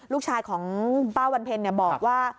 ลูกชายของป้าวันเพ็ญบอกว่า